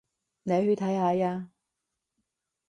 你去睇下吖